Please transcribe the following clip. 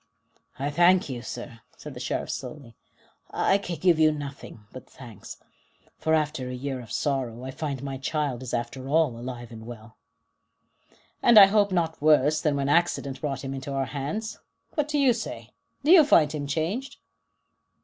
"I thank you, sir," said the Sheriff slowly. "I can give you nothing but thanks, for after a year of sorrow I find my child is after all alive and well." "And I hope not worse than when accident brought him into our hands. What do you say? Do you find him changed?"